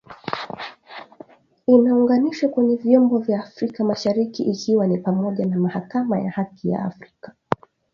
inaunganishwa kwenye vyombo vya afrika mashariki ikiwa ni pamoja na Mahakama ya Haki ya Afrika